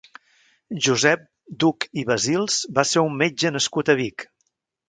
Josep Duch i Basils va ser un metge nascut a Vic.